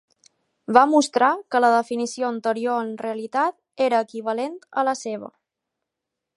Va mostrar que la definició anterior en realitat era equivalent a la seva.